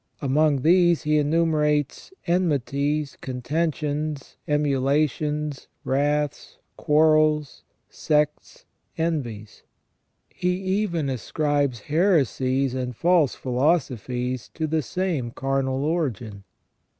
Among these he enumerates " enmities, contentions, emulations, wraths, quarrels, sects, envies ". He even ascribes heresies and false philosophies to the same carnal origin.